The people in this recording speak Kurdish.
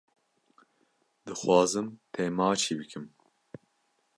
Dixwazim te maçî bikim.